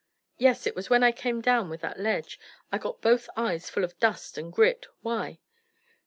"Yes. It was when I came down with that ledge; I got both eyes full of dust and grit. Why?"